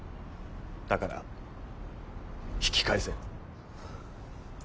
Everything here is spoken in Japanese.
だから引き返せ。